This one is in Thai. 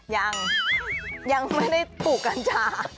ยังยังไม่ได้ปลูกกัญชา